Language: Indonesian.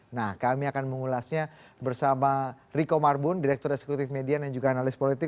nah kami akan mengulasnya bersama riko marbun direktur eksekutif median dan juga analis politik